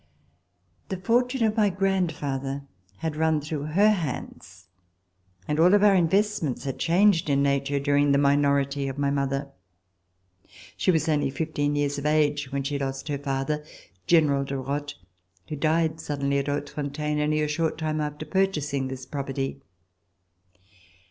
The fortune C15] RECOLLECTIONS OF THE REVOLUTION of my grandfather had run through her hands, and all of our investments had changed in nature during the minority of my mother. She was only fifteen years of age when she lost her father, General de Rothe, who died suddenly at Hautefontaine, only a short time after purchasing this property.